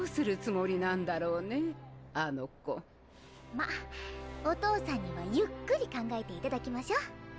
まお父さんにはゆっくり考えて頂きましょう。